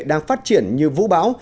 đang phát triển như vũ báo